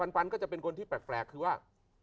ปันก็จะเป็นคนที่แปลกคือว่า